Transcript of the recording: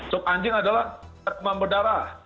sub anjing adalah demam berdarah